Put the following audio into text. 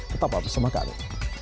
tetap bersama kami